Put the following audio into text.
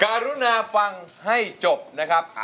การุณาฟังให้จบนะครับ